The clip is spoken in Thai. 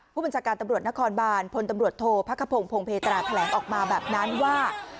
ผู้บริษักรรดิ์นครบาลพลตำรวจโทษพระขโปรงพลงเภตราแถลงออกมาแบบนั้นว่า